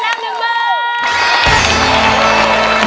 ร้องได้ให้ร้อง